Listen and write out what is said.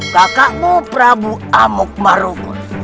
kakakmu prabu amukmarugun